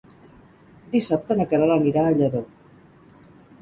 Dissabte na Queralt anirà a Lladó.